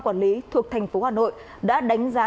quản lý thuộc thành phố hà nội đã đánh giá